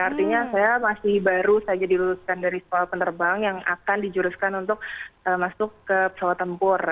artinya saya masih baru saja diluluskan dari sekolah penerbang yang akan dijuruskan untuk masuk ke pesawat tempur